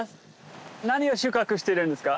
何を収穫してるんですか？